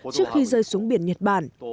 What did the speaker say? trước khi rơi xuống biển nhật bản